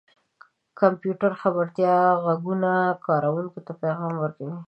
• د کمپیوټر خبرتیا ږغونه کاروونکو ته پیغام ورکوي.